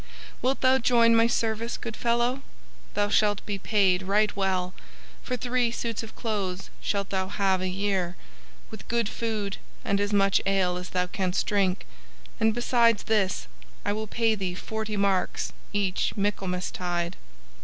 Wilt thou join my service, good fellow? Thou shalt be paid right well, for three suits of clothes shalt thou have a year, with good food and as much ale as thou canst drink; and, besides this, I will pay thee forty marks each Michaelmastide."